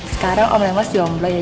sekarang om lemes di omloin ya